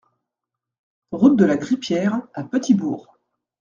Route de la Grippière à Petit-Bourg